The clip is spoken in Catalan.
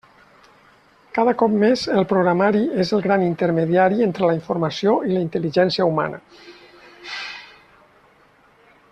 Cada cop més, el programari és el gran intermediari entre la informació i la intel·ligència humana.